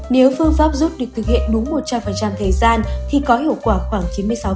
nếu phương pháp rút được thực hiện đúng một trăm linh thời gian thì có hiệu quả khoảng chín mươi sáu